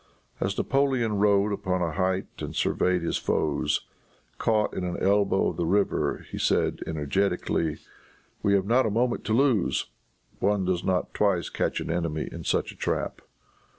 As Napoleon rode upon a height and surveyed his foes, caught in an elbow of the river, he said energetically, "We have not a moment to lose. One does not twice catch an enemy in such a trap."